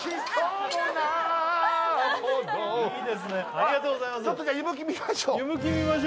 ありがとうございます。